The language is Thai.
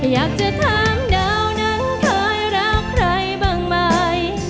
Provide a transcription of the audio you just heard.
อยากจะทำเดาหนังคายรักใครบางมาย